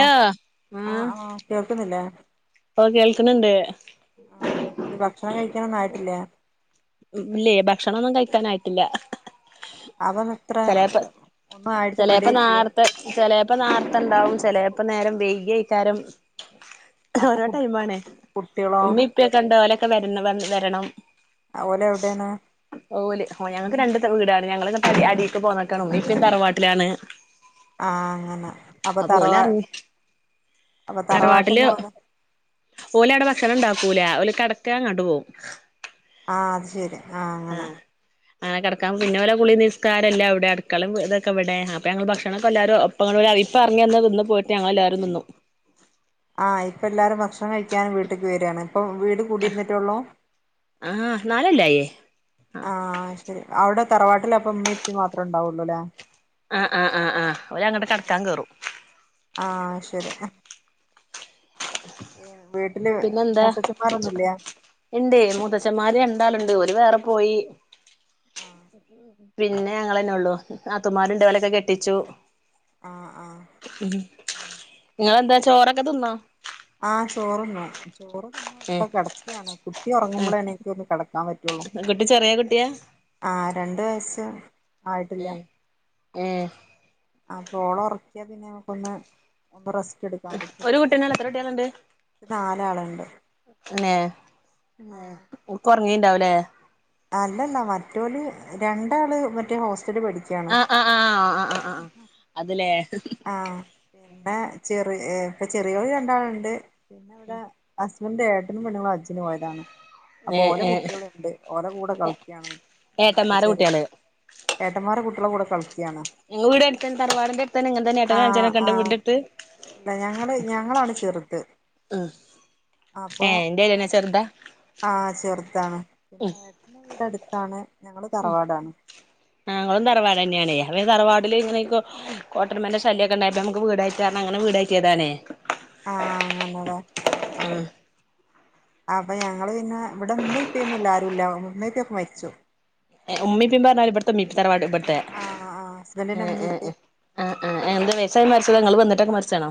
ഓ ആഹ് ആഹ് ആ കേൾക്കുന്നില്ലേ കേക്ക്ണ് ഇണ്ട് ആഹ് ഭക്ഷണം കഴിക്കാനൊന്നായിട്ടില്ലേ ഉം ഇല്ലേ ഭക്ഷണൊന്നും കഴിക്കാനായിട്ടില്ല അവൻ അത്ര ചെലേപ്പൊ ഒന്നും ആയിട്ട് റെഡി ചെലെപ്പോ ആയിട്ടില്ല നേർത്തെ ചെലേപ്പ നേർത്താണ്ടാവും ചെലേപ്പം നേരം വെയ്യ്കി ഏയ്കാരം അപ്പൊ ഓരോ കു ടൈമ് ആണേ കുട്ടികളോ ഉമ്മി ഉപ്പൊക്കെ ഉണ്ട് ഓലൊക്കെ വെ വെരണം ആ ഓല് എവ്ടെണ് ഓല് ഓ ഞങ്ങൾക്ക് രണ്ട് ത വീടാണ് ഞങ്ങള് അടിക്ക് പോന്നിക്കണ് ഉമ്മേം ഉപ്പേം തറവാട്ടിലാണ് ആഹ് അങ്ങനെ അപ്പോ അപ്പൊ തറവാ ഓലറിഞ്ഞ് അപ്പോ തറവാട്ടിന്ന് വന്ന് ഓല് അവടെ ഭക്ഷണം ഉണ്ടാക്കൂല ഓല് കെടക്ക അങ്ങ്ട്ട് പോകും ആഹ് അത് ശരി അങ്ങനെ ആഹ് അങ്ങനെ കെടക്കാ പിന്നെ ഓലെ കുളി നിസ്കാ ഇപ്പേല്ലാം അവടെ അടുക്കളേം ഇതൊക്കെ ഇവിടെ അഹ് അപ്പ ഞങ്ങള് ഭക്ഷണൊക്കെല്ലാരും ഒപ്പാ ഇപ്പ ഇറങ്ങി വന്ന് തിന്ന് പോയിട്ട് ഞങ്ങള് എല്ലാവരും തിന്നും ആഹ് ഇപ്പ എല്ലാരും ഭക്ഷണം കഴിക്കൻ വീട്ട്ക്ക് വര് ആണ് ഇപ്പോ വീട് കൂടി ഇരുന്നിട്ടൊള്ളൂ ആഹ് നാലല്ലായേ ആഹ് ശരി അവടെ തറവാ തറവാട്ട്ല് ഉമ്മേം ഉപ്പേം മാത്രം ഉണ്ടാവുള്ളൂല്ലേ അ ആ ആഹ് ഓര് അങ്ങട്ട് കെടക്കാൻ കേറും ആഹ് അഹ് ശരി ഈ വീട്ടില് പിന്നെന്താ മൂത്തച്ഛന്മാരൊന്നും ഇല്ലേ ഇണ്ട് മൂത്തച്ഛന്മാര് രണ്ടാള് ഇണ്ട് ഓര് വേറെ പോയി ആഹ് പിന്നെ ഞങ്ങളെന്നെ ഉള്ളു നാത്തൂന്മാര് ഇണ്ട് ഓലൊക്കെ കെട്ടിച്ചു ആഹ് ആഹ് ഉം നിങ്ങെളെന്താ ചോറൊക്കെ തിന്നോ ആ ചോറ്ന്നു ചോറ് ഏഹ് തിന്നാൻഡ് കിടക്കാണ് കുട്ടി ഏഹ് ഉറങ്ങുമ്പോളേ എനി ക്ക് ഒന്ന് കിടക്കാൻ പറ്റു ഒള്ളു കുട്ടി ചെറിയ കുട്ടിയാ ആ രണ്ട് വയസ്സ്‌ ഏ ഏഹ് ആപ്പോ ഓളെ ഒറക്കിയാ പിന്നെ നമുക്കൊന്ന് ഒന്ന് റസ്റ്റ് എടുക്കാൻ പറ്റും ഒരു കുട്ടിയെന്നെള്ളൂ എത്ര കുട്ടികളുണ്ട് നാലാളുണ്ട് എന്നെ ഏ ആഹ് ഒക്കെ ഒറങ്ങീണ്ടാവും ല്ലേ അല്ലല്ല മറ്റോല് രണ്ടാള് മറ്റേ ഹോസ്റ്റല് പഠിക്കാ ആ ആ ആ ആ ആഹ് അത് ലേ ആഹ് പിന്നെ ചെറിയ ഇപ്പൊ ചെറിയോ ല് രണ്ടാളുണ്ട് പിന്നെ ഹസ് ന്റെ ഏട്ടനും പെണ്ണുങ്ങളും ഹജ്ജിന് പോയതാണ് അപ്പൊ ഏഹ് ഓലെ ഏഹ് കുട്ടിയളും ഉണ്ട് ഓര കൂടെ കളിക്കാണ് രണ്ട് ഏട്ടന്മാരെ ചെറിയ കുട്ട്യാള് ഏട്ടന്മാരെടെ കുട്ടികളെ കൂടെ കളികാണ് നിങ്ങളെ വീട് അടുത്ത് തന്നേ തറവാടിന്റെടുത്തന്നെ ഇങ്ങനെ തന്നെ ഏട്ടനും അഞ്ജനും ഒക്കെ ഉണ്ടോ വീടിന്റെ അടുത്ത് അല്ല ഞങ്ങള് ഞങ്ങളാണ് ചെറുത് അപ്പൊ ഏ ഇന്റെമാതിരിന്നേ ചെറുതാ ആഹ് ചെറുതാണ് പിന്നെ ഏട്ടന്റെ വീട് അടുത്താണ് ഞങ്ങള് തറവാടാണ് ഞങ്ങളും തറവാട് തന്നെയാണേ അത് തറവാടില് ഇങ്ങനെക്കൊ കോട്ടര്മന്റെ ശല്യക്കെ ഇണ്ടായപ്പോ നമക്ക് വീട് കയറ്റാർഞ്ഞ് അങ്ങനെ വീട് കയറ്റിയതാണേ ആഹ് അങ്ങനലേ ആഹ് ഉം ആഹ് അപ്പൊ ഞങ്ങള് പിന്നെ ഇവടെ ഇമ്മീം, ഇപ്പിയൊന്നുല്ല ആരുല്ല ഇമ്മീം ഇപ്പിയൊക്കെ മരിച്ചു ഇമ്മീപ്പേം പറഞ്ഞാല് ഇബട്ത്തെ ഇമ്മ്പ്പി തറവാട് ഇബട്ത്തെ? ആഹ് ആഹ് ഹസ്ബൻഡിന്റെ ഏഹ് ഇമ്മീം, ഏഹ് ഇപ്പീ ഏഹ് ആഹ് ആഹ് എന്ത വെയസ്സായി മരിച്ചത ഇങ്ങള് വന്നിട്ടൊക്കെ മരിച്ചതണോ?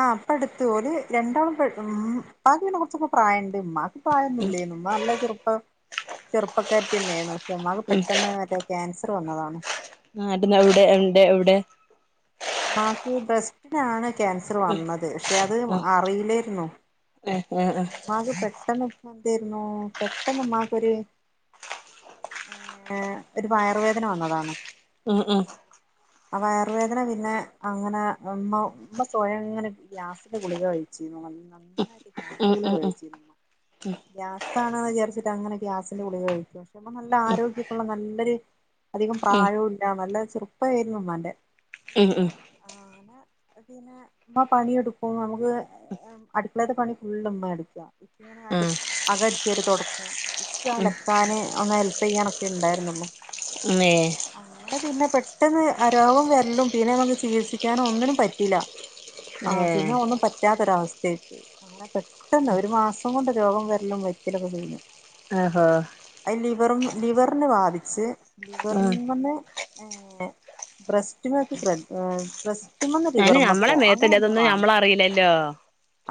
ആഹ് ഇപ്പ അടുത്ത് ഓല് രണ്ടാളും പെ മ് ഇപ്പാക്ക് പിന്നെ കുറച്ചൊക്കെ പ്രായംണ്ട് ഇമ്മാക്ക് പ്രായൊന്നുല്ലേന്നു ഇമ്മ നല്ല ചെറുപ്പ ചെറുപ്പക്കാര്ത്തി തന്നേന്നു പക്ഷേ ഇമ്മാക്ക് പെട്ടന്ന് മറ്റെ ക്യാൻസർ വന്നതാണ് ആണ്ട് ഇങ്ങള് എവിടെയിണ്ടെ എവിടെ? ഇമ്മാക്ക് ബ്രസ്റ്റിനാണ് ക്യാൻസർ വന്നത് പക്ഷെ അത് ആഹ് അറിയിലേരുന്നു ഏഹ് ഏഹ് ഇമ്മാക്ക് പെട്ട പെട്ടെന്ന് എന്തേരുന്നു പെട്ടെന്ന് ഇമ്മാക്കൊര് ഏഹ് ഒരു വയറുവേദന വന്നതാണ് ആഹ് ആഹ് ആ വയറു വേദന പിന്നെ അങ്ങനെ ഒന്ന് ഇമ്മ [unintelligible] സ്വയം ഇങ്ങനെ ഗ്യാസിന്റെ ഗുളിക കഴിച്ചിരുന്നു നന്നായിട്ട് ഗ്യാസ് ഉം ഗുളിക ഉം ഉം കഴിച്ചിരുന്നു ഗ്യാസാണോ വിചാരിച്ചിട്ട് അങ്ങനെ ഗ്യാസിന്റെ ഗുളിക കഴിക്കും ഇമ്മ നല്ല ആരോഗ്യക്കുള്ള നല്ലൊരു അധികം ഉം പ്രായും ഇല്ല നല്ല ചെറുപ്പമായിരുന്നു ഇമ്മാന്റെ ഉം ഉം അങ്ങനെ പിന്നെ ഇമ്മ പണിയെടുക്കുമ്പം നമുക്ക് അടുക്കളേത്ത പണി ഫുള്ളും ഇമ്മയ എട്ക്കാ അങ്ങനെ ഉം അകം അട്ച്ചേരി തൊടക്കും ഇൻക്ക് അലക്കാന് ഒന്ന് ഹെൽപ് ചെയ്യനൊക്കെ ഇണ്ടായിരുന്നൊള്ളു ഇമ്മേ അങ്ങനെ പിന്നെ പെട്ടെന്ന് രോഗം വരലും പിന്നെ നമുക്ക് ചികിത്സിക്കാനോ ഒന്നിനും പറ്റി യില്ല ഏ ആഹ് പിന്നെ ഒന്നും പറ്റാത്തൊരു അവസ്ഥയായി പോയി അങ്ങനെ പെട്ടെന്ന് ഒരു മാസം കൊണ്ട് രോഗം വരലും മരിക്കലൊക്കെ കഴിഞ്ഞു ആഹ് ഓഹ അത് ലിവർ ലിവറിന് ബാധിച്ച് ഉം ലിവർമ്മെന്ന് പിന്നെ ബ്രസ്റ്റിമ്മക്ക് ബ്രസ്റ്റിമ്മെന്ന് ഞാന് ഞമ്മളെ ലിവറ്മ്മക്കോ? അങ്ങനെ മേത്തല്ലേ എന്തോ അതൊന്നും ആണ് ഞമ്മളറിയില്ലല്ലോ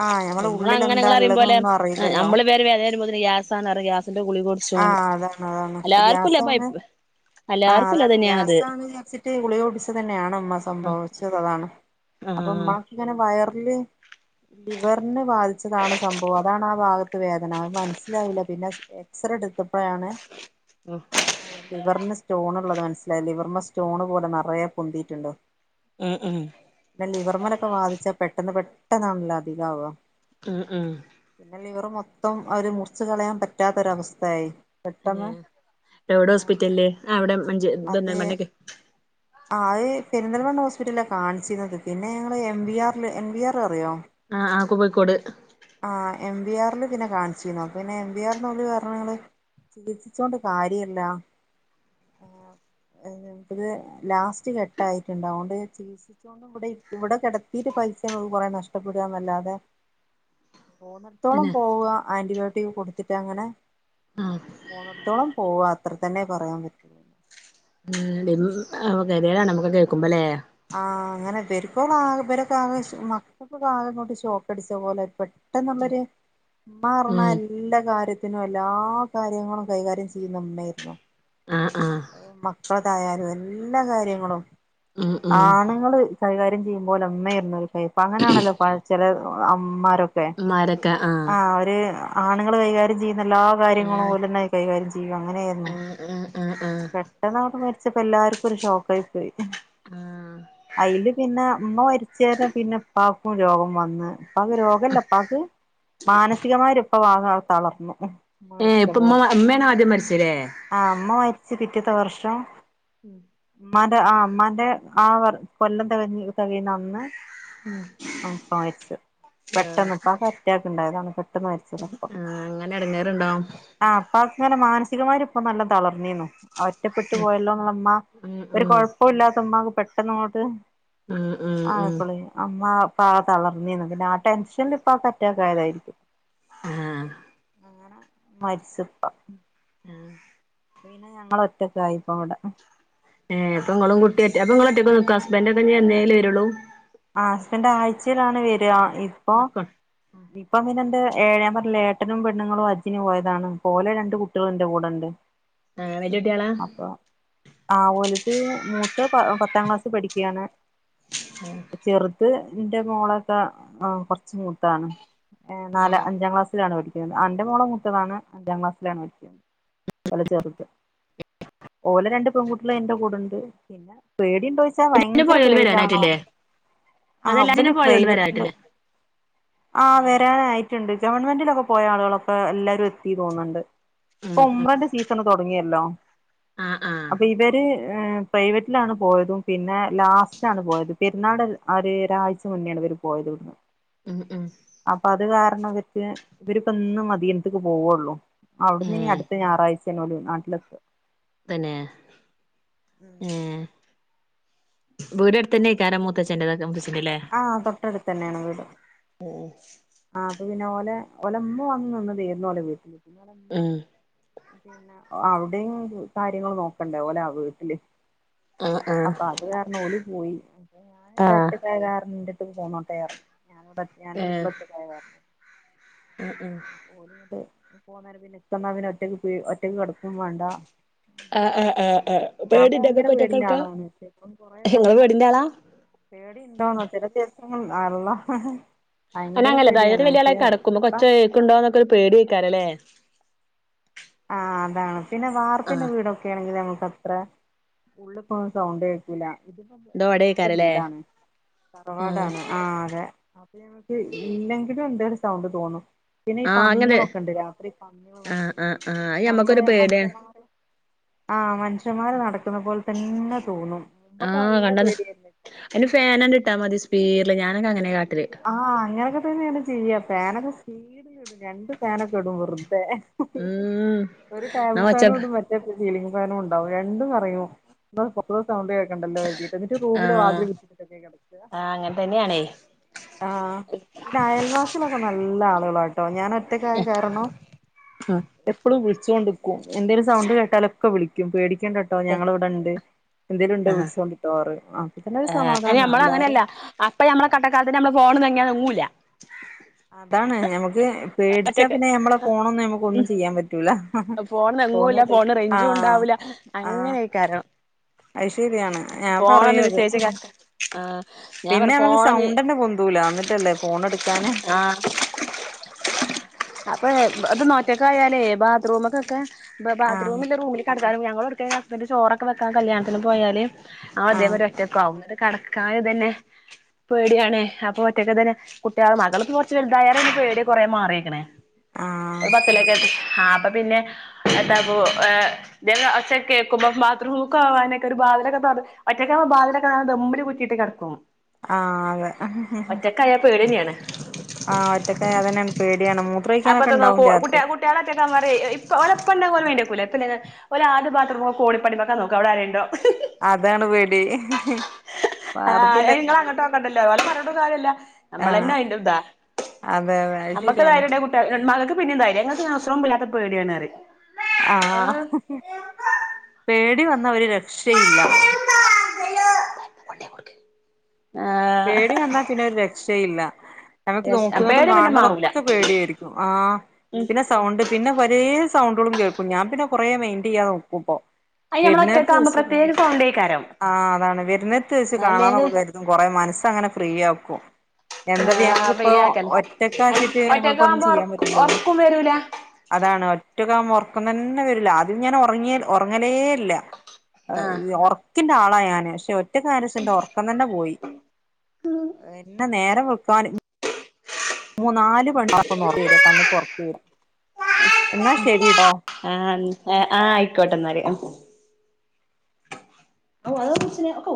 ആഹ് ഞമ്മളെ നമ്മളങ്ങനെ ഉള്ളിലെന്താ ഇങ്ങളറിയും ഇള്ളത് പോലെ ഒന്നും അറീല്ലല്ലോ? നമ്മള് പേര് വേദന വരുമ്പോത്തിന് ഗ്യാസാന്ന് പറയും ഗ്യാസിന്റെ ഗുളിക കുടിച്ചും ആഹ് അതാണ് അതാണ് എല്ലാർക്കുല്ല ഗ്യാസാണ് പൈപ്പ് ആഹ് എല്ലാർക്കും ഉള്ളത് അതാണ് തന്നെയാണത് ഗ്യാസാണ് വിചാരിച്ചിട്ട് ഗുളിക കുടിച്ചതന്നെയാണ് ഇമ്മാക്ക് ആഹ് സംഭവിച്ചത് അതാണ്. അപ്പൊ ആഹ് ഇമ്മാക്ക് ഇങ്ങനെ വയറില്. ലിവറിന് ബാധിച്ചതാണ് സംഭവം അതാണ് ആ ഭാഗത്ത് വേദന അത് മനസ്സിലായില്ല പിന്നെ സ്കാ എക്സറ എടുത്തപ്പഴയാണ്. ഉം ലിവറിന് സ്റ്റോൺ ഇള്ളത് മനസ്സിലായത് ലിവറിമ്മെ സ്റ്റോണ് പോലെ നിറയെ പൊന്തിയിട്ട്ണ്ട് ഉം ഉം പിന്നെ ലിവർമ്മലൊക്കെ ബാധിച്ചാ പെട്ടെന്ന് പെട്ടെന്നാണല്ലോ അധികാവാ ഉം ഉം. പിന്നെ ലിവർ മൊത്തം ആ ഒര് മുറിച്ച് കളയാൻ പറ്റാത്തൊരവസ്ഥയായി പിന്നെ പെട്ടെന്ന്. എവിടെ ഹോസ്പിറ്റൽല് ആഹ് വെടെ മഞ്ചേ അതെ. പെരിന്തൽമണ്ണക്ക് ആഹ് അത് പെരിന്തൽമണ്ണ ഹോസ്പിറ്റൽലാ കാണിച്ചീര്ന്നത്. പിന്നെ ഞങ്ങൾ എം വി ആർ ല്, എം വി ആർ അറിയോ? ആഹ് ആഹ് കോബിക്കോട്. ആഹ് എം വി ആർ ല് പിന്നെ കാണിച്ചീന്നു. അപ്പപിന്നെ എം ബി ആർ ന്ന് ഓല് പറഞ്ഞ് ങ്ങള് ചികിത്സിച്ചോണ്ട് കാര്യല്ല. ഏഹ് നമുക്ക്ത് ലാസ്റ്റ് ഘട്ടായിട്ട്ണ്ട് അവോണ്ട് ചികിത്സി ച്ചോണ്ട് ഇവടെയ് ഇവടെ കെടത്തീട്ട് പൈസ ഞമക്ക് കൊറേ നഷ്ടപ്പെടാന്ന് അല്ലാതെ. പോവുന്നിടത്തോളം പിന്നെ പോവാ ആന്റിബയോട്ടിക് കൊടുത്തിട്ട് അങ്ങനെ. ആഹ്. പോണോട്ത്തോളം പോവാ അത്ര തന്നെ പറയാൻ പറ്റുള്ളൂ. ഉം. ഉമ് [unintelligible] ഗതിയേടാണ് നമുക്ക് കേക്കുമ്പ ല്ലേ. ആഹ് അങ്ങനെ ഇവര്ക്കോളാകെ ഇവരൊക്കെ ആകെ ഷ് മക്കക്കൊക്കാകെ ഇങ്ങോട്ട് ഷോക്കടിച്ച പോലെ പെ ട്ടെന്നുള്ളൊര് ഉമ്മാ പറ്ഞ്ഞാ ഉം എല്ലാ കാര്യ ത്തിനും എല്ലാ കാര്യങ്ങളും കൈകാര്യം ചെയ്യുന്ന ഉമ്മേര്ന്നു. ആഹ് ആഹ്. എഹ് മക്കളെതായാലും എല്ലാ കാര്യങ്ങളും ഉം ഉം ആണുങ്ങള്. കൈകാര്യം ചെയ്യുമ്പോലെ ഉമ്മേര്ന്നു കൈ ഇപ്പൊ അങ്ങനേണല്ലോ പ്പ ചെല അമ്മാരൊ ക്കെ. ആഹ് അവര് ആണുങ്ങൾ കൈകാര്യം ചെയ്യുന്ന എല്ലാ കാര്യങ്ങളും ഓലെന്നെ കൈകാര്യം ചെയ്യും അങ്ങനേര്ന്നു. ഉം ഉം ഉം. പെട്ടെന്നങ്ങട്ട് മരിച്ചപ്പോ എല്ലാർക്കും ഒരു ഷോക്കായി പോയി. ആഹ്. അയ്ല് പിന്നെ ഉമ്മ മരിച്ചേരെ പിന്നെ ഉപ്പാക്കും രോഗം വന്ന്. ഉപ്പാക്ക് രോഗല്ല. ഉപ്പാക്ക് മാനസികമായൊര് ഉപ്പ ഭാഗം തളർന്നു. ഉമ്മ ഏഹ് ഇപ്പൊ മരിച്ചപ്പം. ഉമ്മ ഉമ്മയാണ് ആദ്യം മരിച്ചല്ലേ ആഹ് ഉമ്മ മരിച്ച് പിറ്റത്തെ വർഷം. ഉം. ഉമ്മാന്റെ ആഹ് ഉമ്മാന്റെ ആ വർ കൊല്ലം തെകഞ് തെകയുന്ന അന്ന്. ആഹ് ഉപ്പ മരിച്ച്. പെട്ടെന്ന് ആഹ് ഇപ്പാക്ക് അറ്റാക്ക് ഇണ്ടായതാണ് പെട്ടെന്ന് മരിച്ചതാ ഇപ്പ. അങ്ങനെ എടങ്ങേറുണ്ടാവും ആഹ് ഉപ്പാക്ക് ങ്ങനെ മാനസികമായിരും ഇപ്പ നല്ലം തളർന്നീന്നു. ഒറ്റപ്പെട്ട് പോയല്ലോ ന്ന്ള്ളെ ഇമ്മ ഉം ഒരു ഉം കൊഴപ്പു ഇല്ലാത്ത ഇമ്മാക്ക് പെട്ടെന്നങ്ങോട്ട്. ഉം ഉം ഉം ആയപ്പളേ ആഹ് മ്മ ഇപ്പാകെ തളർന്നീന്നു. പിന്നെ ആ ടെൻഷൻല് ഇപ്പാക്ക് അറ്റാക്കായതായിരിക്കും. ആഹ്ഹാ. അങ്ങനെ മരിച്ച് ഇപ്പ. ആഹ്. അപ്പൊപിന്നെ ഞങ്ങള് ഒറ്റക്കായിപ്പോ ഇവടെ. ഏഹ് അപ്പൊ ഇങ്ങളും കുട്ടി ഒറ്റ, അപ്പം ഇങ്ങളൊക്കെ നിക്കൊ ഹസ്ബൻഡ് ഒക്കെഞ്ഞ് എന്നേലൊ വരൊള്ളൂ. ആഹ് ഹസ്ബൻഡ് ആഴ്ചേലാണ് വരാ. ഇപ്പൊ മക്ക ഇപ്പം പിന്ന എറെ ഏഴാൻ പറഞ്ഞില്ല ഇപ്പങ്ങനെൻ്റെ ഞാൻ പറഞ്ഞിലേ ഏട്ടനും പെണ്ണുങ്ങളും ഹജ്ജിന് പോയതാണ്. അപ്പോലെ രണ്ട് കുട്ട്യേളും ഇന്റെ കൂടെണ്ട്. ആഹ് വല്ല്യെ കുട്ട്യേളാ. അപ്പ ആവളുടേത് മൂത്തത് പത്താം ക്ലാസ് പഠിക്കുകയാണ് അപ്പോൾ [unintelligible] ചെറുത്ത് എന്റെ മോളൊക്കെ ആ കൊറച്ച് മുത്തതാണ് ഏ നാല് ഏഹ് അഞ്ചാം ക്ലാസ്സിലാണ് പടിക്കുന്നെ അന്റെ മോള മുത്തതാണ് അഞ്ചാം ക്ലാസ്സിലാണ് പറ്റുന്നത് വല [unintelligible] ചെറുക്ക് ഓലെ രണ്ട് പെൺകുട്ടികള് എന്റെ കൂടെയുണ്ട് പിന്നെ പേടി - വെച്ചാ ഭയങ്കര പോയോല് പേടിന്റെ വരാനായിട്ടില്ലേ ആളാണ് ആ അബല് അതെല്ലാത്തിനും പോയോല് പ്രൈവറ്റിലെ വരാനായിട്ടില്ലേ - ആ ഏഹ് വരാനായിട്ടുണ്ട് ഗവൺമെന്റിലൊക്കെ പോയ ആളുകളൊക്കെ എല്ലാരും എത്തി തോന്നുന്നുണ്ട് ഉം ഇപ്പൊ ഉം കൊമ്പന്റെ സീസൺ തുടങ്ങിയല്ലോ ആഹ് ആഹ് അപ്പൊ ഇവര്- പ്രൈവറ്റിലാണ് പോയതും പിന്നെ ലാസ്റ്റാണ് പോയത് പെരുന്നാൾ ആ ഒരു ആരാഴ്ച മുന്നാണ് പോയത് വിടന്ന് [unintelligible] ഉം ഉം അപ്പൊ അത് കാരണം വച്ച് ഇവര് ഇവരിപ്പ ഇന്ന് മതിനത്തേക്ക് പോവുള്ളൂ അവിടന്ന് ഇനി ഏഹ് അടുത്ത ഞായറാഴ്ച എന്നാല് നാട്ടിലെത്തും തന്നെ ഉം ഇവര് അടുത്തന്നെ കാര മൂത്തച്ചെണ്ട [unintelligible] തൊ വിിച്ച അല്ലേ ആഹ് തൊട്ടടുത്ത് തന്നെയാണ് വീട് ഉം [unintelligible] ആഹ് അത് പിന്നെ ഓലെ ഓലെ അമ്മ വന്ന് നിന്ന് കേയറുന്ന പോലെ വീട്ടില് ഉം പിന്നെ അവിടെയും കാര്യങ്ങൾ നോക്കണ്ടേ ഓലെ ആ വീട്ടില് ആഹ് ആഹ് അപ്പൊ അത് കാരണം ഓല് പോയി അ ഞാൻ കാ ആഹ് [unintelligible] രട്ട് പോന്നോട്ടെ [unintelligible] ആയിരുന്നു ഞാന ഞാനും ഇപ്പള് ഒറ്റക്കായൊ ഉം ഉം ഓല് ഉണ്ട് പോന്ന പിന്നെ എനിക്ക് എന്നാ ഒറ്റക്ക് ഒറ്റയ്ക്ക് കെടക്കും വേണ്ട ആഹ് ആഹ് ആഹ് ആഹ് ഞാൻ ഇപ്പ പേടിണ്ടോ ഭയങ്കര ഇങ്ങക്ക് പേടിന്റെ ഒറ്റക്കടക്കാ ആളാണ് ഇപ്പൊ കൊറെക്കെ ഇങ്ങള് അങ്ങനെ- പേടിന്റെ ആളാ പേടി ഉണ്ടോന്നോ ചെല ദിവസങ്ങളിൽ അള്ളാ - അല്ല അങ്ങനെ അല്ല തറേല് വല്ലിയാളായി കെടക്കും പൊ കൊച്ച ഇപ്പം കക്കണ്ടോന്നൊക്കെ ഒരു പേടി ഒക്കെ ആണ് അല്ലേ ആ അതാണ് പിന്നെ ആ വാർപ്പിന്റെ വീടൊക്കെ ആണെങ്കിൽ നമുക്ക് അത്ര ഫുള്ള് ഇപ്പൊ സൗണ്ട് ആണ് ഇല്ല ഇതിപ്പോ ഓടിട്ടെ ദോടേക്കാരല്ലേ വീടാണ് ആഹ് തറവാടാണ് ആഹാ അതെ ഇല്ലെങ്കിലും എന്താ ഒരു സൗണ്ട് തോന്നും പിന്നെ ഈ ആഹ് അങ്ങനെ പന്നികളൊക്കെ ഉണ്ട് രാത്രി ഈ പന്നികൾ ആഹ് നടക്കുക ആഹ് ആഹ് അത് നമ്മള് ഞമ്മക്കൊരു പേടിയാണ് മനുഷ്യന്മാര് ആ മനുഷ്യന്മാര് നടക്കുന്ന പോലെ തന്നെ തോന്നും നമ്മക്ക് നല്ല പേടിയാണ് ഇപ്പൊ ഫാൻ അങ്ങ് ഇട്ടാ മതി സ്പ്പീഡിൽ ഞാനോക്കെ അങ്ങനെയാ കാട്ട- ആഹ് അങ്ങനെയൊക്കെ തന്നെയാണ് ചെയ്യ്യാ ഫാനൊക്കെ സ്പീഡി ഇടും രണ്ട് ഫാനൊക്കെ ഇടും വെറുതെ ഉം ഒരു ടേബിൾ ന്നാ ഫാനും ഒച്ച ഇടും മറ്റേ സീലിങ്ങ് ഫാനും ഉണ്ടാവും രണ്ടും കറങ്ങും എന്തോ ഓരോ സൗണ്ടയൊക്കണ്ടല്ലോ കരുതിയിട്ട് എന്നിട്ട് റൂമിലെ വാതിൽ അടച്ചിട്ട് കെടക്കുക ആ അങ്ങനെ തന്നെയാണേ ആ പിന്നെ അയൽവാസിയിലൊക്കെ നല്ല ആളുകളാട്ടോ ഞാന് - ഒറ്റക്കായ കാരണം ഉം എപ്പോഴും വിളിച്ചുകോണ്ട് നിക്കും എന്തേലും സൗണ്ട് കേട്ടാലൊക്കെ വിളിക്കും പേടിക്കേണ്ട- കേട്ടോ ഞങ്ങള് ഇവിടെ ഇണ്ട് എന്തേലും ഉണ്ടോ വിളിച്ചോണ്ടിരിക്കുക പറയും ആഹ് ആ നമ്മ അങ്ങനെയല്ല അപ്പ നമ്മള് കഷ്ട്ടക്കാലത്തിന് നമ്മള് ഫോൺ അനങ്ങിയാ ഒങ്ങൂല്ല അതാണ് ഞമക്ക് പേടിച്ചാ ഒറ്റക്ക് പിന്നെ ഞമ്മളെ ഫോണൊന്നും ഞമ്മക്കൊന്നും ചെയ്യാൻ പറ്റൂല ഫോണ് ഫോണട്ക്ക് ആഹ് അങ്ങനെക്കാരം അയ് ശെര്യാണ് ഞാൻ പറയു അത്. വിസേച്ച് ആഹ് ഞാൻ പറ പിന്നമ്മക്ക് ഫോണൊന്ന് സൗണ്ടന്നെ പൊന്തുല്ല ന്നട്ടല്ലേ ഫോണെട്ക്കാന്. ആഹ് അപ്പൊ ബ ഇത് നൊറ്റക്കായാലേ ബാത്റൂമ്ക്കൊക്കെ ബ ആഹ് ബാത്റൂമില്ലേ റൂമില് കടക്കാനും ഞങ്ങളൊട്ക്കെ ഹസ്ബെൻഡ് ചോറൊക്കെ വെക്കാൻ കല്യാണത്തിന് പോയാല് ആഹ് അതെന്നൊരൊറ്റ കൗണ്ട് കടക്കാന് തെന്നെ പേട്യാണ് അപ്പൊ ഒറ്റക്ക് തെന്നെ കുട്ട്യേള് മകള്‌പ്പൊ കൊർച്ച് വെൽതായാരെ പിന്നെ പേടി കൊറേ മാറീക്ക് ണ്. ആഹ് [unintelligible] ആപ്പൊ പിന്നെ എത്തപ്പോ ഏഹ് ന്തെ ഒച്ച കേക്കുമ്പം ബാത്റൂമ്ക്കോവാനൊക്കൊര് ബാതിലൊക്കെ തൊറ ഒറ്റക്കാവുമ്പം ബാതിലൊക്കെ നല്ല ദമ്മില് കുറ്റിട്ട് കട ക്കും ആഹ് അതെ ഒറ്റക്കായാ പേട്യെന്നെണ്. ആഹ് ഒറ്റക്കായ അതെന്നെണ് പേട്യാണ് മൂത്രയ്ക്കാനൊക്കെണ്ടാവും രാത്രി. ട്ട്യാളോറ്റക്കാവുമ്പോ പറ്യേ എഹ് ഇപ്പോ ഒലെപ്പണ്ടെ ഓല് മൈൻൻ്റെകുല [unintelligible] ഓലാദ്യ ബാത്രൂമ് കോണിപ്പടിമക്കാ നോക്ക അവടാരേണ്ടോ. അതാണ് പേടി വാർപ്പിൻ്റെ ക്കണ്ടെല്ലോ ഓലെ പർഞ്ഞിട്ടും കാര്യല്ല ആഹ് അമ്മളന്നയ്ണ്ടും താ അതെ അതെ അത് അമ്മക്ക് ശരിയാണ് ധൈര്യണ്ടേ കു [unintelligible] മകക്ക് പിന്നിം ധൈര്യാ ഇങ്ങക് ഉസ്റും പുളില്ലാത്ത പേട്യാണ് റി ആഹ് പേടി വന്ന ഒര് രക്ഷയില്ല. ആഹ് പേടി വന്നാ പിന്നെ ഒരു രക്ഷയില്ല. ഞമക്ക് നോക്ക്ണതും പേടി പിന്നെ കാണ് മാറൂല ണതൊക്കെ പേട്യായിരിക്കും ആഹ് ഉം പിന്നെ സ് സൗണ്ട് പിന്നെ കൊരേ സൗണ്ടളും കേൾക്കും ഞാൻ പിന്നെ കൊറേ മെയിന്റെയ്യാതെ നിക്കുട്ടോ അയ് ഞമ്മളൊറ്റക്കാവുമ്പോ പ്രത്യേക സൗണ്ടേക്കാരം. ആഹ് അതാണ് വെര്ന്നത്ത് വെച്ച് അല്ലെങ്കി കാണാന്നൊക്ക കര്തും കൊറെ മനസ്സങ്ങനെ ഫ്രീയാക്കും. എന്താപ്പൊ ആഹ് ഞമ്മക്കിപ്പൊ ഫ്രീയാക്കലാ ഒറ്റക്കാച്ചിട്ട് നമ്മള്പ്പോ ഒന്നും ഒറ്റക്കാവുമ്പോ ഒർ ചെയ്യാം പറ്റൂലല്ലോ. ഒർക്കും വരൂല അതാണ് ഒറ്റക്കാവുമ്പോ ഒറക്കം തെന്നെ വെരൂല്ല ആദ്യം ഞാൻ ഓർങ്ങിയൽ ഒർങ്ങലേ ഇല്ല. ആഹ് എഹ ഒർക്കിൻ്റാളാ ഞാന് പക്ഷെ ഒറ്റക്കായെന്റെഷം ഇൻ്റെ ഓർക്കം തന്നെ പോയി. പിന്നെ നേരം വെൾക്കാന് നാല് മണി [unintelligible] കണ്ണ്ക്ക്‌ ഒർക്ക് വെരാ എന്നാ ശെരി ട്ടോ ആഹ് ഉം എഹ് ആഹ് ആയിക്കോട്ടെന്നല് അഹ് അതാ കൊച്ചിനെ ഒക്കെ